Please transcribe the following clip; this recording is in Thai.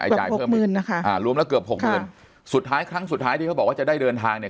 จ่ายเพิ่มหมื่นนะคะอ่ารวมแล้วเกือบหกหมื่นสุดท้ายครั้งสุดท้ายที่เขาบอกว่าจะได้เดินทางเนี่ย